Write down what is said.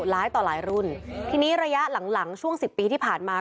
หลายต่อหลายรุ่นทีนี้ระยะหลังหลังช่วงสิบปีที่ผ่านมา